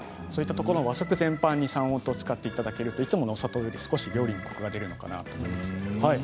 そういった和食全般に三温糖を使っていただけるといつものお砂糖よりも少し料理にコクが出るのかなと思います。